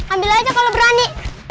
ambil aja kalau berani